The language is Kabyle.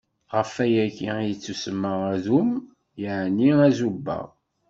Ɣef wayagi i yettusemma Adum, yeɛni Azubaɣ.